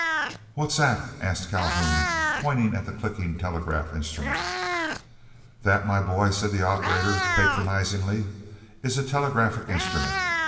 ] "What's that?" asked Calhoun, pointing at the clicking telegraph instrument. "That, my boy," said the operator, patronizingly, "is a telegraphic instrument.